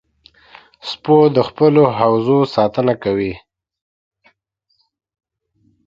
سپو د خپلو حوزو ساتنه کوي.